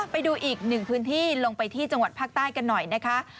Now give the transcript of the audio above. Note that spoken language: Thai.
ไปดูอีกหนึ่งพื้นที่ลงไปที่จังหวัดภาคใต้กันหน่อยนะคะ